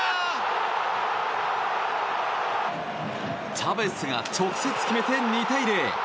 チャベスが直接決めて２対０。